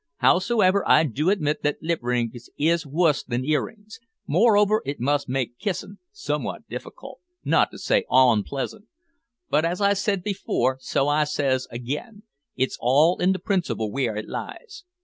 Howsoever, I do admit that lip rings is wuss than ear rings; moreover it must make kissin' somewhat difficult, not to say onpleasant, but, as I said before, so I says again, It's all in the principle w'ere it lies.